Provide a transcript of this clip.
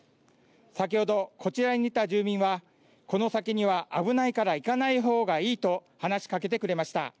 先ほどこちらにいた住民はこの先には危ないから行かないほうがいいと話しかけてくれました。